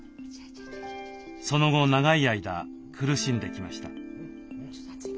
その後長い間苦しんできました。